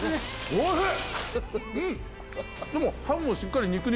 おいしい！